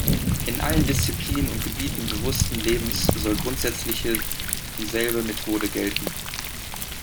In allen Disziplinen und Gebieten bewussten Lebens soll grundsätzliche dieselbe Methode gelten.